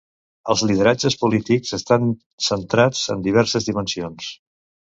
Els lideratges polítics estan centrats en diverses dimensions.